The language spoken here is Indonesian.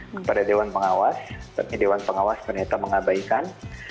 kepada dewan pengawas tapi dewan pengawas ternyata mengabaikan